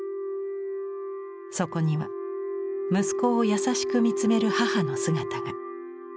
そこには息子を優しく見つめる母の姿が。